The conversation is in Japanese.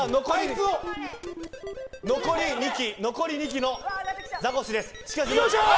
残り２機のザコシです。